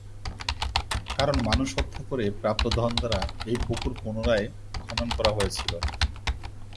কারণ মানুষ হত্যা করে প্রাপ্ত ধন দ্বারা এই পুকুর পুনরায় খনন করা হয়েছিল।